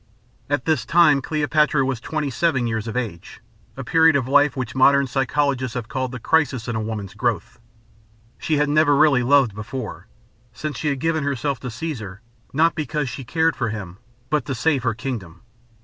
At this time Cleopatra was twenty seven years of age a period of life which modern physiologists have called the crisis in a woman's growth. She had never really loved before, since she had given herself to Caesar, not because she cared for him, but to save her kingdom.